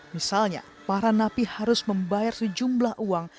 misalnya para napi harus membayar sejumlah uang